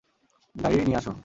গাড়ি নিয়ে আসো।